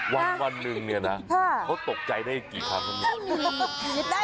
วันหนึ่งเนี่ยนะเขาตกใจได้กี่คำครับเนี่ย